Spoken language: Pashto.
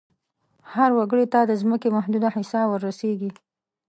هر وګړي ته د ځمکې محدوده حصه ور رسیږي.